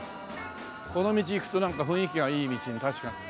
この道行くとなんか雰囲気がいい道に確か。